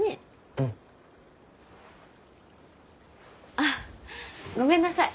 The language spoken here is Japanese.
うん。あっごめんなさい。